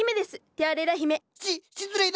ティアレラ姫。